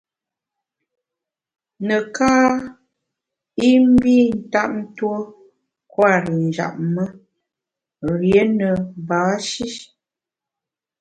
Neká i mbi ntap tuo kwer i njap me, rié ne ba-shi.